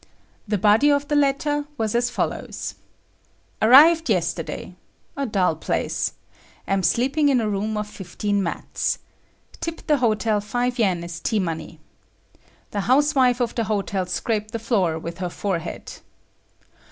The body of the letter was as follows: "Arrived yesterday. A dull place. Am sleeping in a room of 15 mats. Tipped the hotel five yen as tea money. The house wife of the hotel scraped the floor with her forehead.